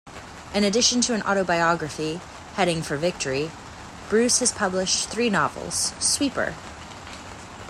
In addition to an autobiography, "Heading for Victory", Bruce has published three novels, "Sweeper!